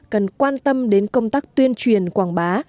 cần quan tâm đến công tác tuyên truyền quảng bá